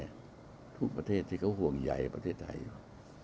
ทุกประเทศที่เขาห่วงใหญ่ประเทศไทยอยู่